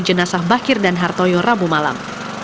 jenazah bakir dan hartoyo rabu malam